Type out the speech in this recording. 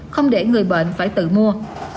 không để người bệnh phải tự mua